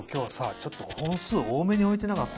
ちょっと本数多めに置いてなかった？